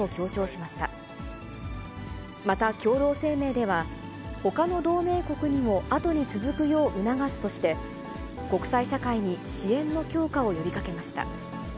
また共同声明では、ほかの同盟国にも後に続くよう促すとして、国際社会に支援の強化を呼びかけました。